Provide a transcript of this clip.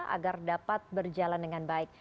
agar dapat berjalan dengan baik